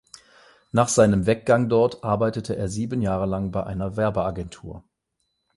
Nach seinem Weggang dort arbeitete er sieben Jahre lang bei einer Werbeagentur.